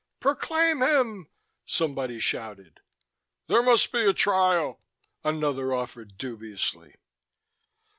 "Proclaim him!" somebody shouted. "There must be a Trial," another offered dubiously.